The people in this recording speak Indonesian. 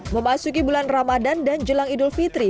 memasuki bulan ramadan dan jelang idul fitri